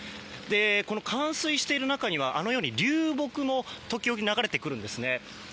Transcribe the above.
冠水している中にはあのように流木も時折、流れてくるんですね。